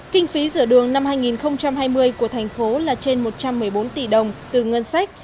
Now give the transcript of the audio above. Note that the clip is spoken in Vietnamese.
kinh phí rửa đường năm hai nghìn hai mươi của thành phố là trên một trăm một mươi bốn tỷ đồng từ ngân sách